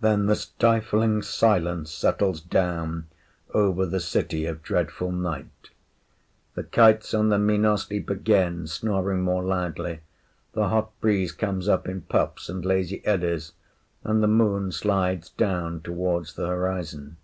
Then the stifling silence settles down over the City of Dreadful Night. The kites on the Minar sleep again, snoring more loudly, the hot breeze comes up in puffs and lazy eddies, and the Moon slides down towards the horizon.